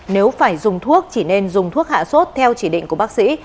nếu phải dùng thuốc chỉ nên dùng thuốc hạ sốt theo chỉ định của bác sĩ